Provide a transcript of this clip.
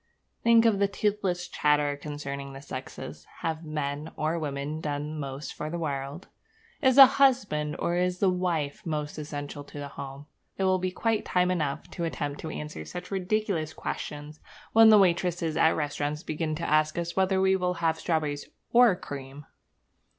Think of the toothless chatter concerning the sexes. Have men or women done most for the world? Is the husband or is the wife most essential to the home? It will be quite time enough to attempt to answer such ridiculous questions when the waitresses at the restaurants begin to ask us whether we will have strawberries or cream!